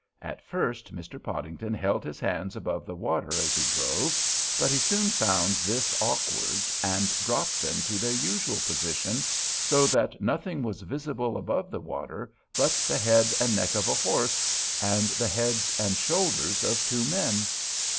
At first Mr. Podington held his hands above the water as he drove, but he soon found this awkward, and dropped them to their usual position, so that nothing was visible above the water but the head and neck of a horse and the heads and shoulders of two men.